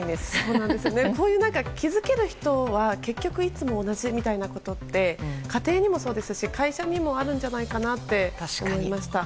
こういう気付ける人は結局いつも同じみたいなことって家庭にもそうですし会社にもあるんじゃないかなって思いました。